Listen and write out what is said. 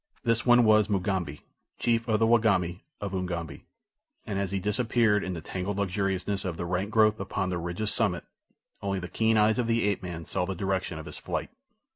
This one was Mugambi, chief of the Wagambi of Ugambi, and as he disappeared in the tangled luxuriousness of the rank growth upon the ridge's summit only the keen eyes of the ape man saw the direction of his flight.